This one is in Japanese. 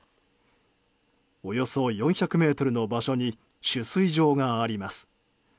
およそ４００ｍの場所に取水場があります。